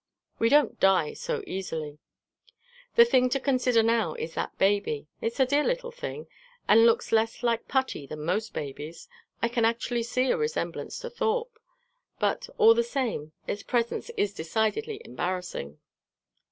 "We don't die so easily." "The thing to consider now is that baby. It's a dear little thing, and looks less like putty than most babies; I can actually see a resemblance to Thorpe. But, all the same, its presence is decidedly embarrassing."